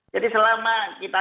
jadi selama kita